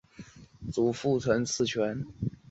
迷幻药物在大部分国家除了医疗外的用途是违法的。